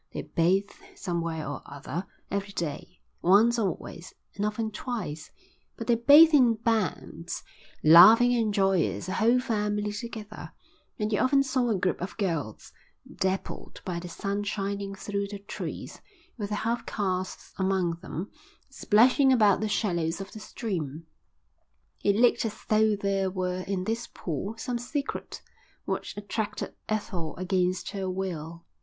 They bathe, somewhere or other, every day, once always, and often twice; but they bathe in bands, laughing and joyous, a whole family together; and you often saw a group of girls, dappled by the sun shining through the trees, with the half castes among them, splashing about the shallows of the stream. It looked as though there were in this pool some secret which attracted Ethel against her will.